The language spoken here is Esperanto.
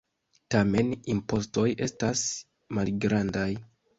Tamen, impostoj estas malgrandaj.